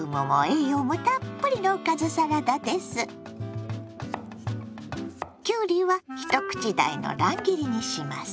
きゅうりは一口大の乱切りにします。